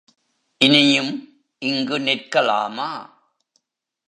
இனியும் இங்கு நிற்கலாமா!